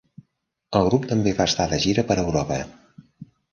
El grup també va estar de gira per Europa.